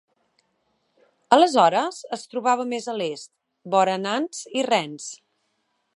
Aleshores es trobava més a l'est, vora Nantes i Rennes.